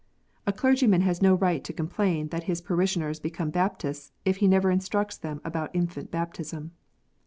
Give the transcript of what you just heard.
A clergyman has no right to complain that his parishioners become Baptists, if he never instructs them about infant baptism.